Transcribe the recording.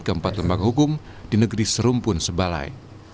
keempat lembang hukum di negeri serumpun sebalai